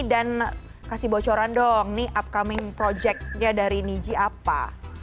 dan kasih bocoran dong nih upcoming projectnya dari nizi apa